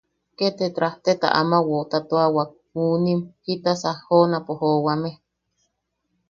Ke te trajteta ama woʼotatuawak, munim, jitasa joonapo joʼowame.